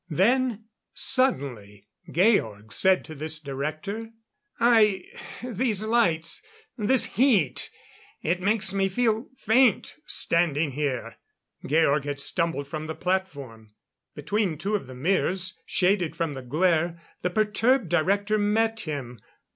Then, suddenly, Georg said to this Director: "I these lights this heat. It makes me feel faint standing here." Georg had stumbled from the platform. Between two of the mirrors, shaded from the glare, the perturbed Director met him.